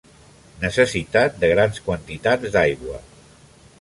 Necessitat de grans quantitats d'aigua.